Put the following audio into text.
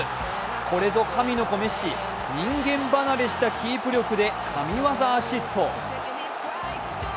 これぞ神の子メッシ人間離れしたキープ力で神業アシスト。